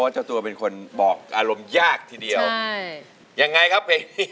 ยังไงครับเพลงนี้